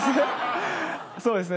そうですね。